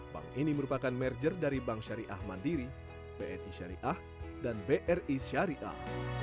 bank ini merupakan merger dari bank syariah mandiri bni syariah dan bri syariah